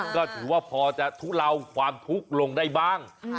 ก็ถือว่าพอจะทุเลาความทุกข์ลงได้บ้าง